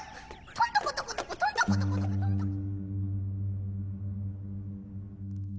とんとことことことんとことことことんとこ。